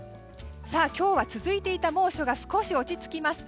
今日は、続いていた猛暑が少し落ち着きます。